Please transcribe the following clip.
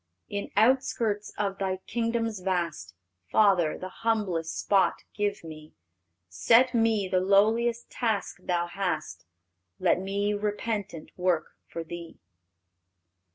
"In outskirts of Thy kingdoms vast, Father, the humblest spot give me; Set me the lowliest task Thou hast, Let me repentant work for Thee!"